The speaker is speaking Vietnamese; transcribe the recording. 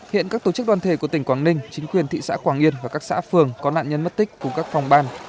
hiện các tổ chức đoàn thể của tỉnh quảng ninh chính quyền thị xã quảng yên và các xã phường có nạn nhân mất tích cùng các phòng ban